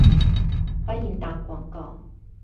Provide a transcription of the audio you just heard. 歡迎打廣告